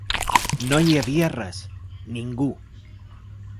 No hi havia res, ningú.